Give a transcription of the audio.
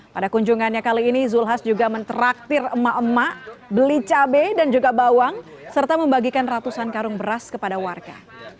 pada kunjungannya kali ini zulkifli hasan juga mentraktir emak emak beli cabai dan juga bawang serta membagikan ratusan karung beras kepada warga